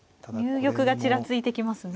入玉がチラついてきますね。